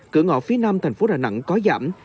cửa ngõ phía nam thành phố đà nẵng có giảm